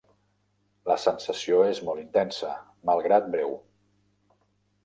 La sensació és molt intensa, malgrat breu.